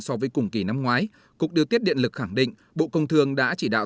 so với cùng kỳ năm ngoái cục điều tiết điện lực khẳng định bộ công thương đã chỉ đạo